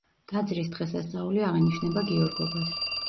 ტაძრის დღესასწაული აღინიშნება გიორგობას.